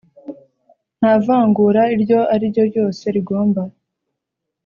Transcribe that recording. Nta vangura iryo ari ryo ryose rigomba